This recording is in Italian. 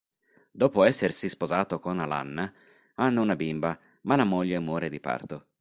Dopo essersi sposato con Alanna, hanno una bimba ma la moglie muore di parto.